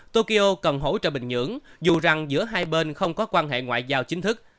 tokyo cần hỗ trợ bình nhưỡng dù rằng giữa hai bên không có quan hệ ngoại giao chính thức